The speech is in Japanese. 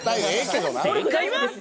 正解は。